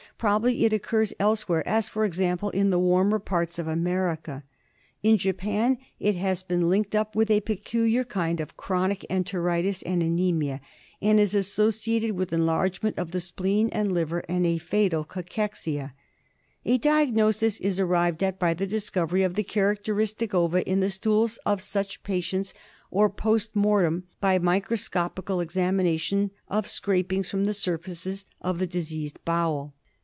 Probably it occurs elsewhere, as, for example, in the warmer parts of America. In Japan it has been linked up with a peculiar kind of chronic enteritis and anaemia, and is associated with enlargement of the spleen and liver and a fatal cachexia, A diagnosis is arrived at by the discovery of the characteristic ova in the stools of such patients, or post mortem by microscopical examina tion of scrapings from the surfaces of the diseased bowel.